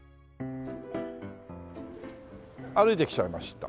歩いてきちゃいました。